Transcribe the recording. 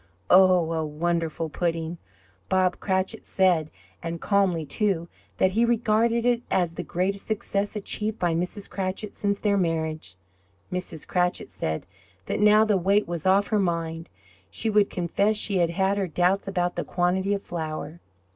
Oh, a wonderful pudding! Bob Cratchit said, and calmly, too, that he regarded it as the greatest success achieved by Mrs. Cratchit since their marriage. Mrs. Cratchit said that, now the weight was off her mind, she would confess she had her doubts about the quantity of flour.